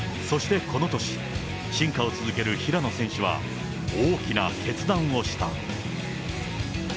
そしてこの年、進化を続ける平野選手は、大きな決断をした。